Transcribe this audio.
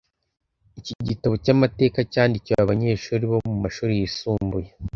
Iki gitabo cyamateka cyandikiwe abanyeshuri bo mumashuri yisumbuye.